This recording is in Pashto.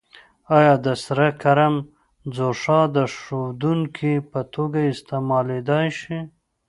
آیا د سره کرم ځوښا د ښودونکي په توګه استعمالیدای شي؟